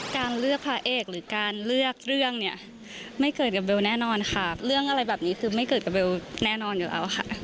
การเลือกพระเอกหรือการเลือกเรื่องเนี่ยไม่เกิดกับเบลแน่นอนค่ะเรื่องอะไรแบบนี้คือไม่เกิดกับเบลแน่นอนอยู่แล้วค่ะ